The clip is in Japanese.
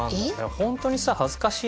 ホントにさ恥ずかしいのがさ